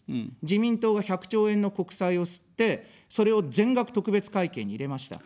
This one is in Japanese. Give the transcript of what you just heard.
自民党が１００兆円の国債を刷って、それを全額、特別会計に入れました。